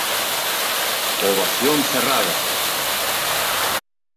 ¡Ovación cerrada!